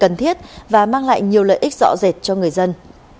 cần thiết và mang lại nhiều lợi ích rõ rệt cho người dân